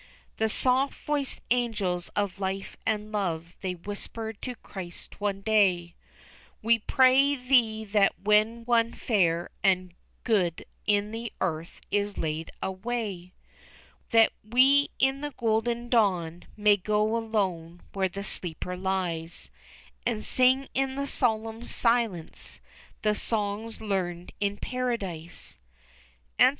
The soft voiced angels of Life and Love they whispered to Christ one day We pray Thee that when one fair and good in the earth is laid away, That we in the golden dawn may go alone where the sleeper lies, And sing in the solemn silence the songs learned in Paradise."